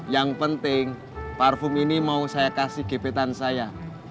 yang penting parfum ini mau saya kasih gepetan saya